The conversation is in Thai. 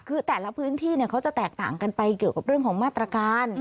คือแต่ละพื้นที่ค่อยจะแตกต่างกันไปเหมือนเรื่องของมาตรการ